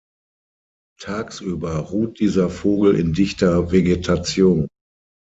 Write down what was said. Tagsüber ruht dieser Vogel in dichter Vegetation.